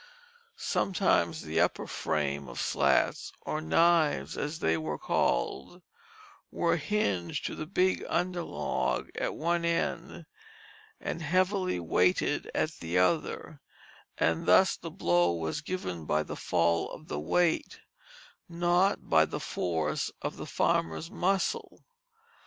Sometimes the upper frame of slats, or knives as they were called, were hinged to the big under log at one end, and heavily weighted at the other, and thus the blow was given by the fall of the weight, not by the force of the farmer's muscle.